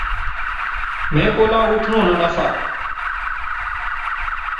میں کولا اٹھنونا نہسا